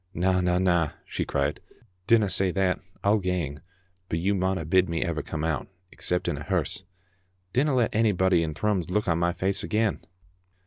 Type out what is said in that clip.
"Na, na, na," she cried, "dinna say that; I'll gang, but you mauna bid me ever come out, except in a hearse. Dinna let onybody in Thrums look on my face again."